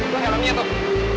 gue yang nangis ya tuh